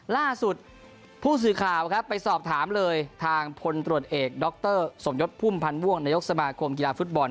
ล่าสุดผู้สื่อข่าวครับไปสอบถามเลยทางพลตรวจเอกดรสมยศพุ่มพันธ์ม่วงนายกสมาคมกีฬาฟุตบอล